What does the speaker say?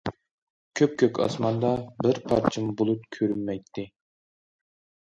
كۆپكۆك ئاسماندا بىر پارچىمۇ بۇلۇت كۆرۈنمەيتتى.